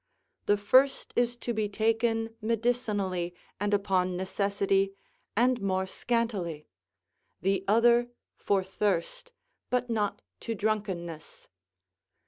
The first is to be taken medicinally and upon necessity, and more scantily; the other for thirst, but not to, drunkenness.